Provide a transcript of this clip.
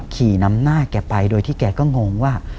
ขี่นำหน้าแกไปโดยที่แกก็งงว่า